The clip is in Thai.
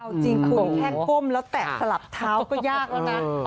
เอาจริงคุณแค่ก้มแล้วแตะสลับเท้าก็ยากแล้วนะ